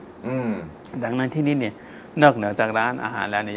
อืมดังนั้นที่นี่เนี่ยนอกเหนือจากร้านอาหารแล้วเนี่ย